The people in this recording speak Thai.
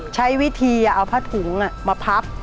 ใช้วิธีเอาผ้าถุงมาพับ